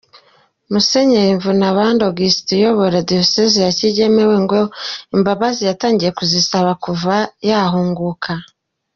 Musenyeri Mvunabandi Augustin uyobora diyosezi ya Kigeme we ngo imbabazi yatangiye kuzisaba kuva yahunguka.